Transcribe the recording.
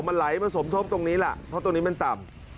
มันไหลมาสมทบตรงนี้ล่ะเพราะตรงนี้มันต่ำ